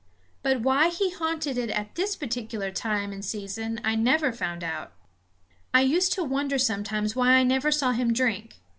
But why he haunted it at this particular time and season I never found out. I used to wonder sometimes why I never saw him drink.